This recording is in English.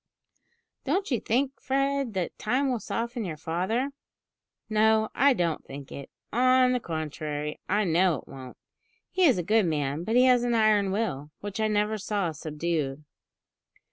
"Don't you think, Fred, that time will soften your father?" "No, I don't think it. On the contrary, I know it won't. He is a good man; but he has an iron will, which I never saw subdued."